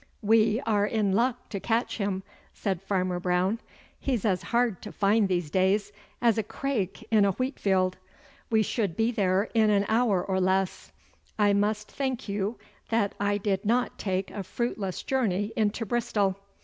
'We are in luck to catch him,' said Farmer Brown. 'He's as hard to find these days as a crake in a wheatfield. We should be there in an hour or less. I must thank you that I did not take a fruitless journey into Bristol.